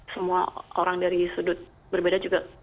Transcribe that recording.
semua orang dari sudut berbeda juga